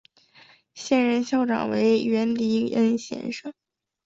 现任校长为源迪恩先生。